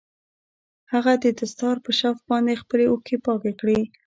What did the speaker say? هغه د دستار په شف باندې خپلې اوښکې پاکې کړې.